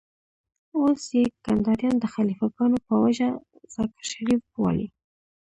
اوس يې کنداريان د خليفه ګانو په وجه ذاکر شريف بولي.